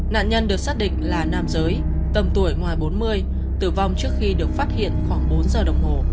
nạn nhân được xác định là nam giới tầm tuổi ngoài bốn mươi tử vong trước khi được phát hiện khoảng bốn giờ đồng hồ